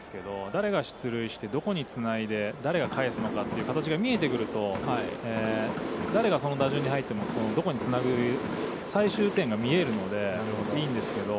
誰が出塁してどこにつないで、誰が返すのかという形が見えてくると、誰がどの打順に入ってもどこにつなぐのか、最終点が見えるのでいいんですけど。